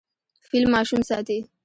فیل ماشوم ساتي.